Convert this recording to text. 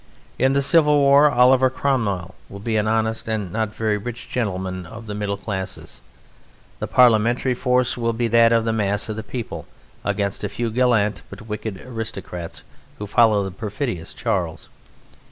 In the Civil War Oliver Cromwell will be an honest and not very rich gentleman of the middle classes. The Parliamentary force will be that of the mass of the people against a few gallant but wicked aristocrats who follow the perfidious Charles.